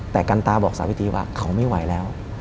แต่กันตาบอกสาวิตรีว่าเขาไม่ไหวแล้ว